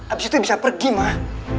abis itu bisa pergi mah